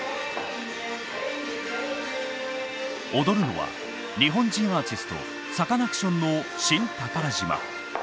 踊るのは日本人アーティストサカナクションの「新宝島」。